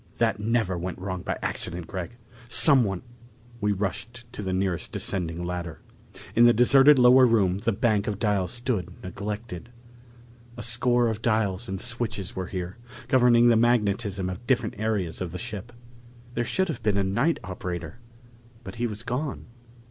"That never went wrong by accident, Gregg! Someone " We rushed to the nearest descending ladder. In the deserted lower room the bank of dials stood neglected. A score of dials and switches were here, governing the magnetism of different areas of the ship. There should have been a night operator, but he was gone.